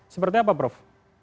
sepertinya apa prof